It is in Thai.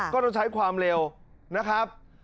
ก็ต้องใช้ความเร็วนะครับ